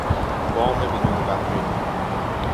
وام بدون بهره